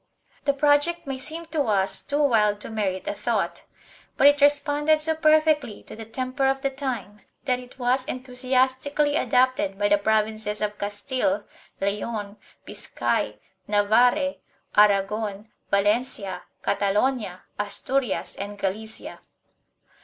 The project may seem to us too wild to merit a thought, but it responded so perfectly to the temper of the time that it was enthusiastically adopted by the provinces of Castile, Leon, Biscay, Navarre, Aragon, Valencia, Catalonia, Asturias and Galicia.